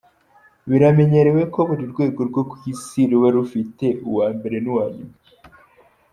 Biramenyerewe ko buri rwego rwo ku Isi ruba rufite uwa mbere n’uwa nyuma.